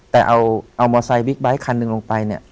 แต่เอามอไซคบิ๊กไบท์คันหนึ่งลงไปเนี่ย